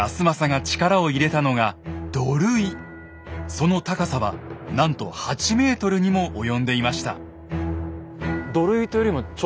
その高さはなんと８ｍにも及んでいました。